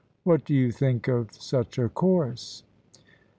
What do you think of such a course?"